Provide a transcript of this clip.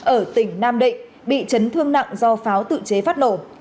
ở tỉnh nam định bị chấn thương nặng do pháo tự chế phát nổ